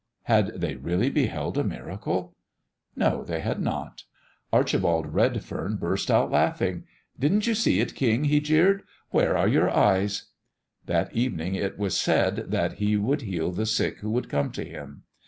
Had they really beheld a miracle? No; they had not. Archibald Redfern burst out laughing. "Didn't you see it, King?" he jeered. "Where are your eyes?" That evening it was said that He would heal the sick who would come to Him.